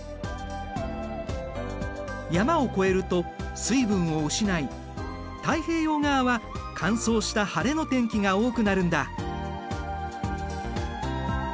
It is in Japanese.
山を越えると水分を失い太平洋側は乾燥した晴れの天気が多くなるんだ。